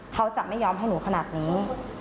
เขาจะไม่ยอมให้หนูขนาดนี้